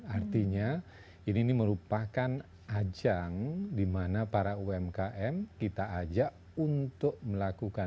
artinya ini merupakan ajang di mana para umkm kita ajak untuk melakukan